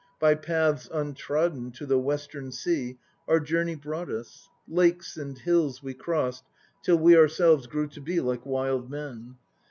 By paths untrodden To the Western Sea our journey brought us. Lakes and hills we crossed Till we ourselves grew to he like wild men.